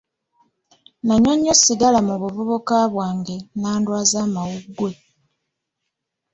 Nanywa nnyo ssigala mu buvubuka bwange n'andwaaza amawuggwe.